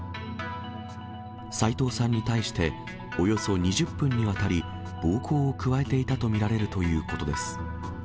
斎藤さんに対して、およそ２０分にわたり、暴行を加えていたと見られるということです。